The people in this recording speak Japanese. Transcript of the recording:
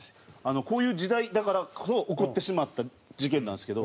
こういう時代だからこそ起こってしまった事件なんですけど。